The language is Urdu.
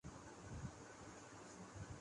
حکم مان لینا فرض ہے ورنہ کفر